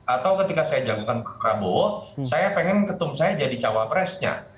atau ketika saya jagokan pak prabowo saya pengen ketum saya jadi cawapresnya